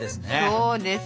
そうです。